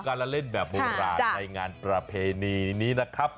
การละเล่นแบบโบราณในงานประเพณีนี้นะครับ